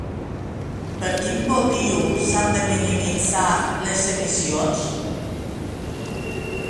Per quin motiu s'han de minimitzar les emissions?